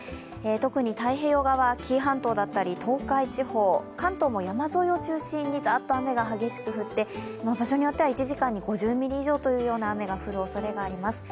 特に太平洋側、紀伊半島だったり東海地方、関東も山沿いを中心にザーッと激しく雨が降って場所によっては１時間に５０ミリ以上という雨の降る場所もあります